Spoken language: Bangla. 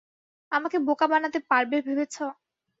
আমাকে বোকা বানাতে পারবে ভেবেছ?